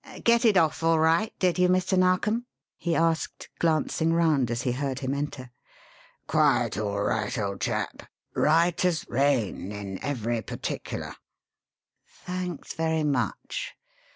"Get it off all right, did you, Mr. Narkom?" he asked, glancing round as he heard him enter. "Quite all right, old chap. Right as rain in every particular." "Thanks very much.